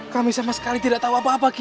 kami sama sekali tidak tahu apa apa